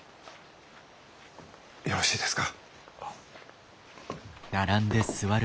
よろしいですか？